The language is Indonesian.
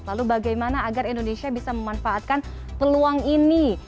lalu bagaimana agar indonesia bisa memanfaatkan peluang ini